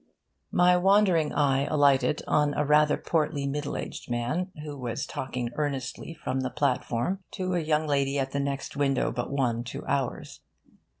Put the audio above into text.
My wandering eye alighted on a rather portly middle aged man who was talking earnestly from the platform to a young lady at the next window but one to ours.